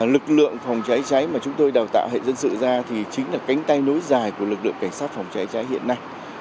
lực lượng phòng cháy cháy mà chúng tôi đào tạo hệ dân sự ra thì chính là cánh tay nối dài của lực lượng cảnh sát phòng cháy cháy hiện nay